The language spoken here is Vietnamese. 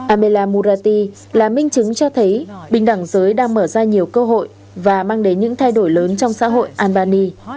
amela murati là minh chứng cho thấy bình đẳng giới đang mở ra nhiều cơ hội và mang đến những thay đổi lớn trong xã hội albany